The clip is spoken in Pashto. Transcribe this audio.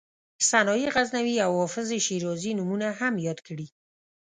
سنایي غزنوي او حافظ شیرازي نومونه هم یاد کړي.